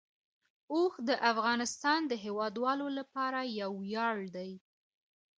اوښ د افغانستان د هیوادوالو لپاره یو ویاړ دی.